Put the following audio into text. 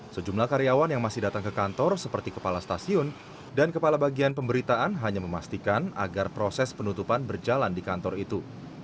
sejumlah karyawan yang masih datang ke kantor seperti kepala stasiun dan kepala bagian pemberitaan hanya memastikan agar proses penutupan berjalan di kantor itu